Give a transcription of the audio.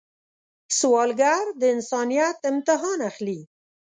سوالګر د انسانیت امتحان اخلي